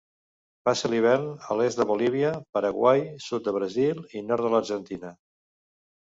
Passa l'hivern a l'est de Bolívia, Paraguai, sud de Brasil i nord de l'Argentina.